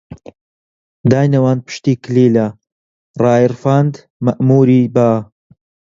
داینەواند پشتی کلیلە، ڕایڕفاند مەئمووری با